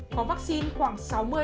có vắc xin khoảng sáu mươi bảy mươi